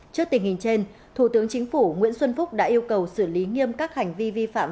trước tình hình trên thủ tướng chính phủ nguyễn xuân phúc đã yêu cầu xử lý nghiêm các hành vi vi phạm